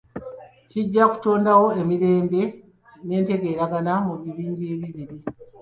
Kijja kutondawo emirembe n'entegeeragana mu bibinja ebibiri.